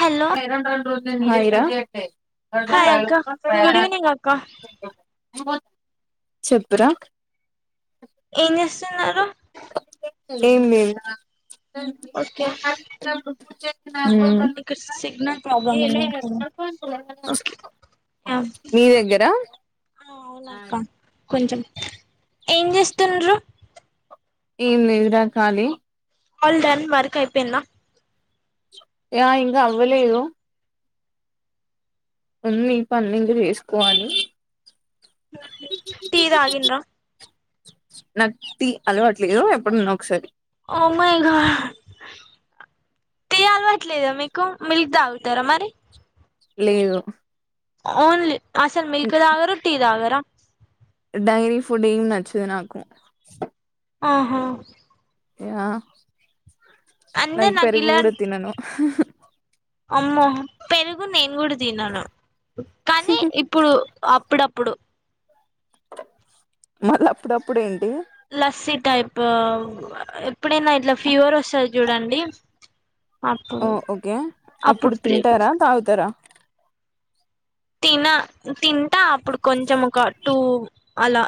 Hello ద hi రా hi అక్క గుడ్ ఈవినింగ్ అక్క చెప్పురా చన్నారురు ఏం లేదు ఓకే చె హుమ్మ్ ఇక్కడ సిగ్నల్ ప్రాబ్లమ్ ఉన్నట్టుంది ఓకే మీ దగ్గరా అవునక్క కొంచెం ఏం చేస్తుండ్రు ఏం ఎదురాఖాలి ఆల్ డన్ వర్క్ అయిపోయింద ఆ ఇం అవ్వలేదు ఉంది పన్న ఇంక చేసుకోవాలి టీ తాగిన్రా న టీ అలవాట్లేదు ఎప్పుడున్నా ఒకసారి మాయిగా టీ అలవట్లేదా మీకు మిల్క్ తాగుతారా మరి లేదు ఓన్లీ అసలు మిల్క్ తాగరు టీ తగరా డైరి ఫుడ్ ఏం నచ్చదు నాకు ఆహా ఆ నకి అందరు నాకు పెరుగు కూడా తినను అమ్మ పెరుగు నేను కూడా తినను కానీ ఇప్పుడు అప్పుడప్పు ఇప్పుడు మళ్ళీ అప్పుడప్పుడు ఏంటి లస్సీ టైప్ ఎప్పుడైనా ఇట్లా ఫీవర్ వస్తాది చూడండి ఓ అప్పుడు ఓకే అప్పుడు తింటారా తాగుతారా తిన తన్ అ అప్పుడు కొంచం ఒక టూ అలా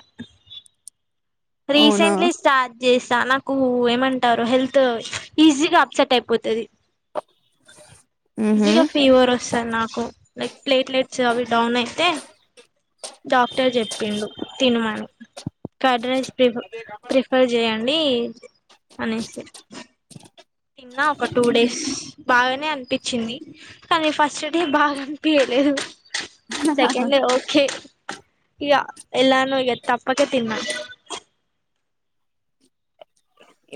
అవునా రీసెంట్లీ స్టార్ట్ చేస్తా నాకు ఏమంటారు హెల్త్ ఈజీగా అప్సెట్ అయిపోతాది మ్మ్ హు ఈజీగా ఫీవర్ వస్తాది నాకు లైక్ ప్లేట్లెట్ చ అవి డౌన్ అయితే డాక్టర్ చెప్పిండు తిినమను కర్డ్ రైస్ ప్రిఫ ప్రిఫర్ చేయండి అనేసి తిన్న ఒక టూ డేస్ బాగానే అనిపించింది కానీ ఫస్ట్ డే బాగా అని పియలేదు సెకండ్ ఓకే ఇక ఎలానుగ తప్పకే తిన్నా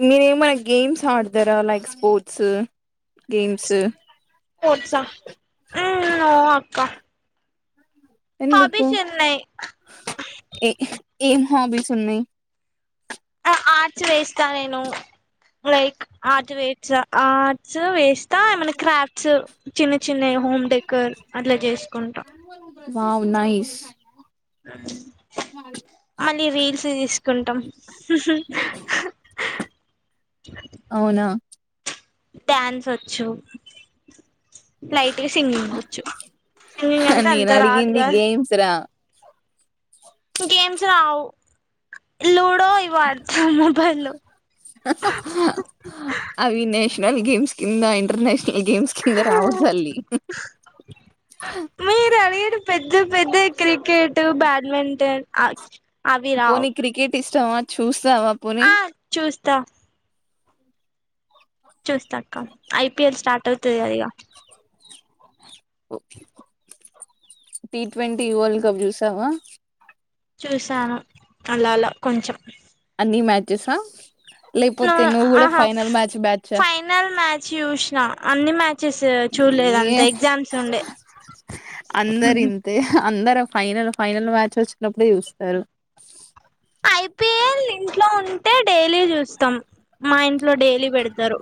మీర ఏమనా గేమ్స్ ఆడతారా లైక్ స్పోర్ట్స్ గేమ్స్ [unintelligible] ఓ అక్క ఎందుకు హాబీస్ ఉన్నాయి ఏ ఏం హాబీస్ ఉన్నాయి ఆర్ట్స్ వేస్తా నేను లైక్ ఆర్ట్ వే ఆట్స్ వేస్తా ఏమన్నా క్రాప్ట్స్ చిన్న చిన్న హోమ్ డెకర అట్లా చేసుకుంటా వావ్ నైస్ మళ్ళీ రీల్స్ తీసుకుంటాం [inaudible] అవునా డ్యాన్స్ వచ్చు లై సింగింగ్ వచ్చు సింగింగ్ అంటే అంత నేను అడిగింది రాదుగా గేమ్స్ రా గేమ్స్ రావు ఇ ఇవ ఆడతా మొబైల్లో అవినేష్ [unintelligible] నేషనల్ గేమ్స్ కింద ఇంటర్నేషనల్ ఈ గేమ్స్ కింద రావు తల్లి మీరు అడిగిన పెద్ద పెద్ద క్రికెట్ బ్యాడ్మింటన్ అ [inaudible] పోనీ క్రికెట్, [inaudible] చూస్తావా పోనీ కుత్త [unintelligible] చూస్తా అక్క ఐపిఎల్ స్టార్ట్ అవుతాది కదా ఇగ ఒకే టి ట్వంటీ వరల్డ్ కప్ చూసావా. చూశాను అలా అలా కొంచెం. అన్ని మ్యాచ్స్ హా లేపోతే నువ్వు కూడా ఫైనల్ మ్యాచ్ బ్యాచ్ హా ఫైనల్ మ్యాచ్ చూసిన అన్ని మ్యాచెస్ చూడలేదు అంత ఏ ఎగ్జామ్స్ ఉండే. అందరు ఇంతే అందరు ఫైనల్ ఫైనల్ మ్యాచ్ వచ్చినప్పుడే చూస్తారు. ఐపిఎల్ ఇంట్లో ఉంటే డైలీ చూస్తాం మా ఇంట్లో డైలీ పెడతారు.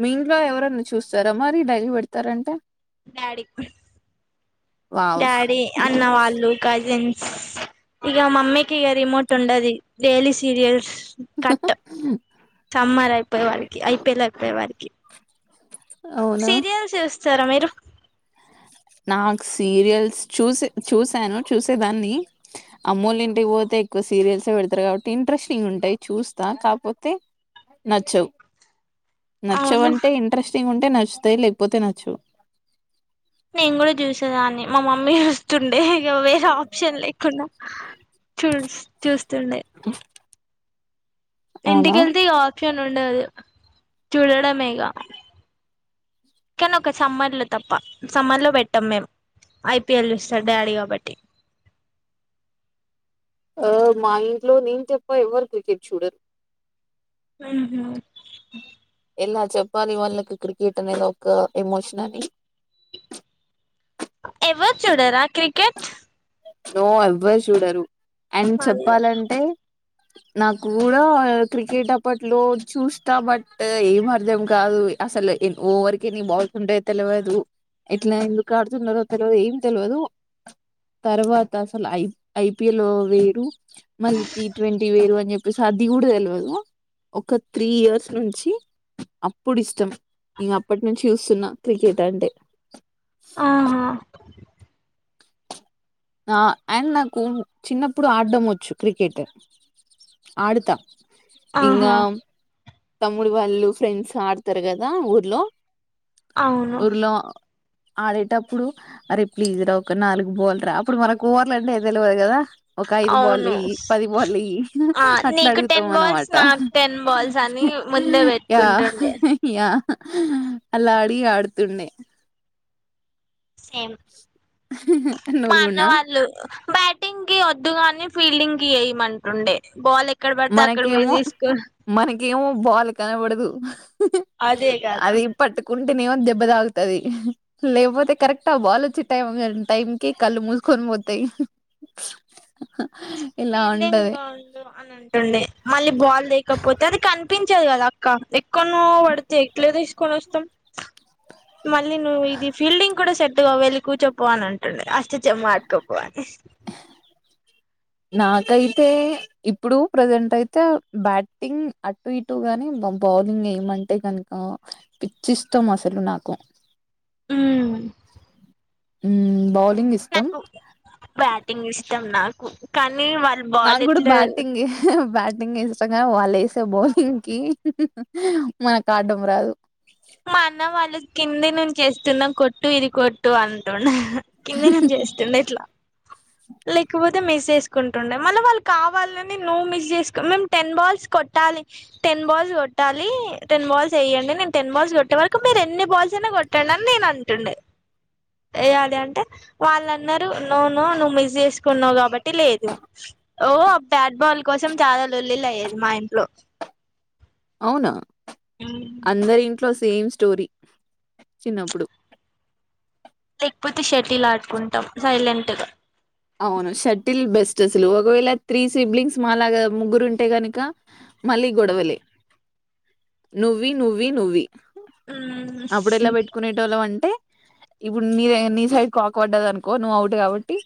మీ ఇంట్లో ఎవరన్నా చూస్తారా మరి డైలీ పెడతారంటే. Daddy, wow! డాడీ అన్న వాళ్ళు కజిన్స్. ఇక మమ్మీకిక రిమోట్ ఉండది. డైలీ సీరియల్స్, కట్టు సమ్మర్ ఐపీఎల్ అయిపోయే వారికి, అవునా? సీరియల్స్ సరే మీరు నాకు సీరియల్స్ చూసే చూసాను చూసేదాన్ని అమ్మోళ్ల ఇంటికి పోతే ఎక్కువ సీరియల్సే పెడతారు కాబట్టి ఇంట్రెస్టింగ్ ఉంటాయి చూస్తా కాకపోతే నచ్చవు. అవును నచ్చవంటే ఇంట్రెస్టింగ్. నచ్చుతాయి లేకపోతే నచ్చువు. నేను కూడా చూసేదాన్ని మా మమ్మీ చూస్తుంది. ఇగ వేరే ఆప్షన్ లేకుండే చూ చూస్తుండే, అవునా? ఇంటికి వెళ్తే ఆప్షన్ ఉండదు. చూడడమేగా కానీ ఒక సమ్మర్ లో తప్ప సమ్మర్ లో పెట్టాం మేము ఐపీఎల్ చూస్తాం డాడీ కాబట్టి ఆ మా ఇంట్లో నేను తప్ప ఎవ్వరు క్రికెట్ చూడరు. ఉహూ ఎలా చెప్పాలి. వాళ్ళకి క్రికెట్ అనేది ఒక ఎమోషన్ అని ఎవరు చూడరా. క్రికెట్ నో ఎవ్వరు చూడరు. అండ్ అదే చెప్పాలంటే, నాకు కూడా క్రికెట్ అప్పట్లో చూస్తా బట్ ఏం అర్థం కాదు అసలే ఎ ఓవరికి ఎన్ని బాల్స్ ఉంటాయో తెలవదు. ఎట్లా ఎందుకు ఆడుతున్నారో తెలవదు ఏం తెలవదు. తర్వాత అసలు ఐ ఐపిఎల్ వేరు మళ్ళీ టీ ట్వంటీ వేరు అని చెప్పేసి అది కూడా తెలవదు. ఒక త్రీ ఇయర్స్ నుంచి అప్పుడు ఇష్టం ఇగ అప్పటి నుంచి చూస్తున్నా క్రికెట్ అంటే ఆహా ఆ అండ్ నాకు చిన్నప్పుడు ఆడడం వచ్చు క్రికెట్ ఆడుతా ఆహా ఇంగామ్ తమ్ముడు వాళ్ళు ఫ్రెండ్స్ ఆడతరు కదా ఊర్లో అవును ఊర్లో ఆడేటప్పుడు అరే ప్లీజ్ రా ఒక నాలుగు బాల్ రా అప్పుడు మనకు ఓవర్లు అంటే తెలవదు కదా ఒక ఐదు బాల్ అవును ఇయ్యి పది బాల్ ఇయ్యి ఆ అట్లా అడుగుతాం అనమాట ని ముందే పెట్టుకుంటుండే అలా అడిగి ఆడుతుండే సేమ్ నువ్వు మా అన్న కూడా వాళ్ళు బ్యాటింగ్ కి వద్దుగాని ఫీల్డింగ్ కి ఎయిమంటుందే బాల్ ఎక్ క్కడ పడితే అక్కడ పోయి తీసుకొన్ గేము బాల్ కనబడదు అదే గదా ఉంటేనేమో దెబ్బ తాకుతది లేకపోతే కరెక్ట్ ఆ బాలోచ్చి టైం టైం కి కళ్ళు మూసుకొని పోతయి ఫీల్డింగ్ లో ఉండు అని అన్ టుండే మళ్ళీ బాల్ లేకపోతే అది కనిపించదు కదా అక్క ఎక్కన్నో పడితే ఎట్ల తీసుకొని వస్తం మళ్ళీ నువ్ ఇది ఫీల్డింగ్ కూడా సెట్ టుగా వెళ్ళి కూర్చోపో అని అంటుండే అష్ట చెమ్మ ఆడుకోపో అని నాకైతే ఇప్పుడు ప్రజెంటయితే బ్యాట్టింగ్ అటు ఇటు గాని బౌ బౌలింగ్ ఎయిమంటే గనుక పిచ్చి ఇష్టం అసలు నాకు ఉమ్ ఉమ్ బౌల్ నాకు బ్యాటింగ్ ఇష్టం నాక్ కన్ నాకు కూడా బ్యాటింగే బ్యాటింగే ఇష్టంగాని వాళ్ళు ఏసే బౌలింగ్ కి మాకు ఆడ్డం రాదు మా అన్న వాళ్ళు కింది నుంచి ఎస్తున్న కొట్టు ఇది కొట్టు అంటుండే కింది నుంచి ఎస్తుండే ఇట్లా లేక్ వో పోతే మిస్ చేసుకుంటుండే మళ్ళ వాళ్ళు కావాలని నువ్వు మిస్ చేసుకున్ మేము టెన్ బాల్స్ కొట్టాలి టెన్ బాల్స్ కొట్టాలి టెన్ బాల్స్ ఎయ్యండి నేను టెన్ బాల్స్ కొట్టే వరకు మీరు ఎన్ని బాల్స్ అయినా కొట్టండి అని నేను అంటుండే ఎయ్యాలి అంటే వాళ్ళన్నారు నో నో ను మిస్ చేసుకున్నావు కాబట్టి లేదు ఓ ఆ బ్యాట్ బాల్ కోసం చాలా లొల్లిలు అయ్యేది మా ఇంట్లో అవునా అందరి ఇన్ ట్లో సేమ్ స్టోరీ, చిన్నప్పుడు లేకపోతే షటిల్ ఆడుకుంటాం సైలెంట్ గా. అవును షటిల్ బెస్ దసలు ఒకవేళ త్రీ సిబ్లింగ్స్ మాలాగా ముగ్గురు ఉంటే గనక మళ్ళీ గొడవలే, నువ్వి నువ్వి నువ్వి మ్మ్ అపుడెలా పెట్టుకునేటోళ్ళం అంటే ఇప్పుడు నీదై నీ సైడ్ కాక్ వడ్డదనుకో నువ్వు అవుట్ కాబట్టి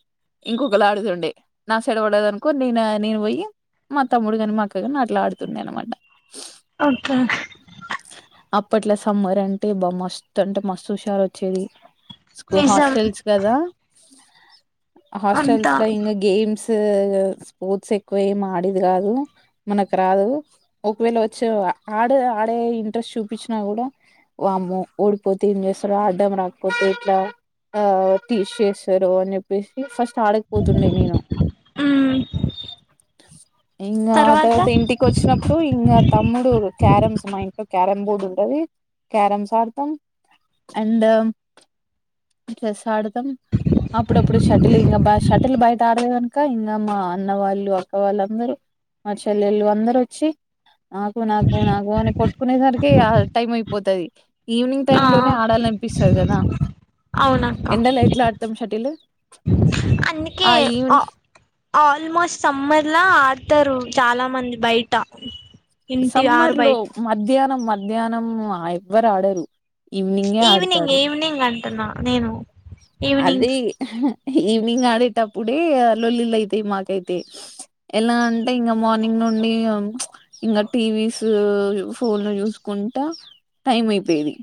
ఇంకొకలా ఆడుతుండే నా సైడ్ బడ్డదనుకో నేన నేను బోయి, మా తమ్ముడు గాని మా అక్క కగాని అట్లా ఆడుతుండే అనమాట. ఒకే అప్పట్ల సమ్మర్ అంటే బ మస్త్ అంటే మస్తు హుషారు వచ్చేది. స్కూ నిజం హాస్టల్స్ గదా. అంతా హాస్టల్స్ లో ఇంగ గేమ్స్ త్ స్పోర్ట్స్ ఎక్కువ ఏమి ఆడేది గాదు మనకు రాదు, ఒకవేళ వచ్చి ఆడే ఆడే ఇంట్రెస్ట్ చూపించినా కూడా వామ్మో ఓడిపోతే ఏం జేస్తారు ఆడ్డం రాకపోతే ఎట్లా, ఆ టీచ్ చేస్తారు అని చెప్ పేసి ఫస్ట్ ఆడకపోతుండే నేను, మ్మ్ ఇంగా ఆ తర్వాత ఇంటికి వచ్చినప్పుడు ఇంగ తమ్ముడు క్యారమ్స్ మా ఇంట్లో క్యారం బోర్డ్ ఉంటది క్యారమ్స్ ఆడతాం, అండ్ చెస్ ఆడతాం. అప్పుడప్పుడు షటిల్ ఇంగ బా షటిల్ బయట ఆడలే ఇంక ఇంగా మా అన్న వాళ్ళు అక్క వాళ్ళందరూ మా చెల్లెళ్ళు అందరు వచ్చి, నాకు నాకు నాకు అని కొట్టుకునేసరికే ఇగ టైం అయిపోతది. ఈవినింగ్ ఆ టైమ్ లోనే ఆడాలనిపిస్తది కదా, అవునక్క ఎండ లైట్ల ఆడతాం షటిలు? అందుకే ఆ ఆల్మోస్ట్ సమ్మర్లా ఆడతరు చాలా మంది బయట. ఇంటి ఆరు సమ్మర్ లో బయట మధ్యా హ్నం మధ్యాహ్నం ఎవ్వరు ఆడరు. ఈవినింగే ఆడతారు. అంటున్న నేను ఈవినింగ్ అది ఈవినింగ్ ఆడేటప్పుడే లొల్లిలయితాయి మాకైతే, ఎలా అంటే ఇంగ మార్నింగ్ నుండి ప్చ్ ఇంగ టీవీస్, ఫోన్లు చూసుకుంటా టైం అయిపోయేది.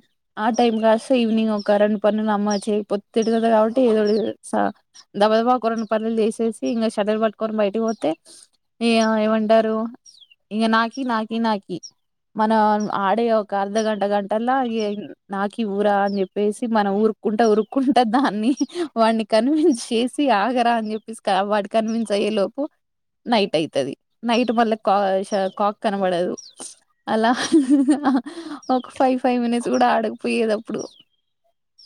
ఆ టైం కాస్త ఈవినింగ్ ఒక రెండు పనులు అమ్మా చేయపో తిడతది కాబట్టి ఏదో స దబదబ ఒక రెండు పనులు చేసేసి ఇంకా షటల్ పట్టుకొని బయటిపోతే, ఏమా ఏమంటారు ఇగ నాకి నాకి నాకి. మనం ఆడే ఒక అర్ధ గంట గంటల్లా నాకివ్వురా అని చెప్పేసి మనం ఊరుకుంటా ఉరుకు కుంట దాన్ని వాడిని కన్విన్స్ చేసి ఆగరా అని చెప్పేసి, వాడి కన్విన్స్ అయ్యే లోపు నైట్ ఐతది. నైట్ మళ్ళ కా ష కాక్ కనబడదు అలా ఒక ఫైవ్ ఫైవ్ మినిట్స్ కూడా ఆడకపోయేది అప్పుడు.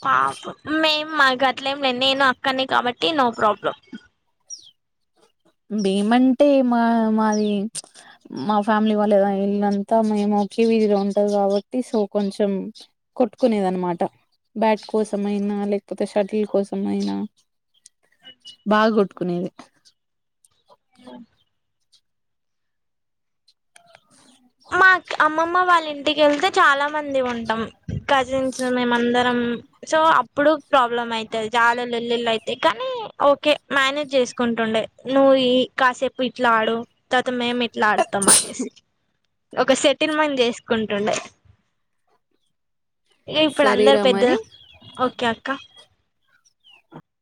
పాపం మేము మా గట్లేంలే నేను అక్కనే కాబట్టి నో ప్రాబ్లం. భేమ అంటే మా మాది మా ఫ్యామిలీ వాళ్ళ ఇల్ళంతా మేము ఒకే వీధిలో ఉంటది కాబట్టి సో కొంచెం కొట్టుకునేది అనమాట. బ్యాట్ కోసమయినా లేకపోతే షటిల్ కోసమయినా బాగా కొట్టుకునేది. ఓకే మా అమ్మమ్మ వాళ్ళ ఇంటికి వెళ్తే చాలా మంది ఉంటాం, కజిన్స్ మేమందరం. సో అప్పుడు ప్రాబ్లమ్ అయితది జాలల్ లొల్లిల్ కానీ ఓకే మేనేజ్ చేసుకుంటుండే, నువ్వు ఈ కాసేపు ఇట్లా ఆడు తర్ త మేం ఇట్ల ఆడతమనేసి ఒక సెటిల్మెంట్ చేసుకుంటుండే. ఇప్పుడు అందరు సరేరా పెద్ద మరి ఓకే అక్క.